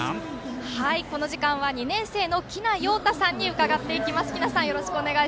この時間は２年生のきなようたさんに伺っていきます。